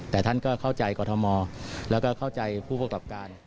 แต่ท่านก็เข้าใจกรทมแล้วก็เข้าใจผู้ประกอบการ